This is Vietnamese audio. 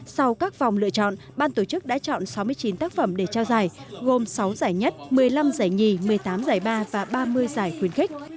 sau các vòng lựa chọn ban tổ chức đã chọn sáu mươi chín tác phẩm để trao giải gồm sáu giải nhất một mươi năm giải nhì một mươi tám giải ba và ba mươi giải khuyến khích